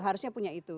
harusnya punya itu